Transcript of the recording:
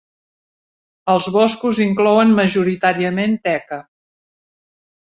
Els boscos inclouen majoritàriament teca.